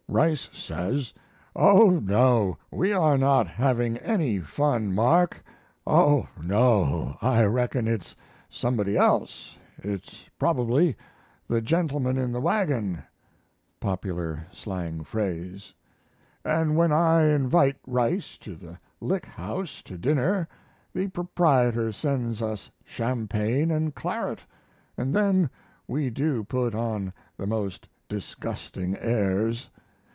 Rice says: "Oh no we are not having any fun, Mark oh no I reckon it's somebody else it's probably the gentleman in the wagon" (popular slang phrase), and when I invite Rice to the Lick House to dinner the proprietor sends us champagne and claret, and then we do put on the most disgusting airs.